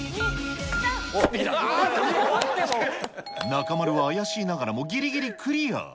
中丸は怪しいながらもぎりぎりクリア。